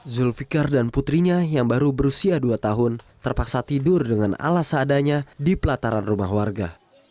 zulfiqar dan putrinya yang baru berusia dua tahun terpaksa tidur dengan alas seadanya di pelataran rumah warga